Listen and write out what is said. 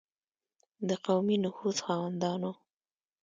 د قومي نفوذ خاوندانو.